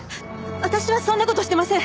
私はそんな事してません。